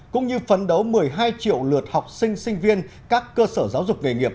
cũng như phấn đấu một mươi hai triệu lượt học sinh sinh viên các cơ sở giáo dục nghề nghiệp